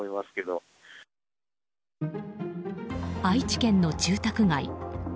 愛知県の住宅街。